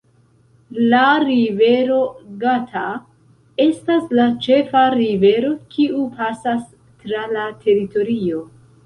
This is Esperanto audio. La Rivero Gata estas la ĉefa rivero kiu pasas tra la teritorio.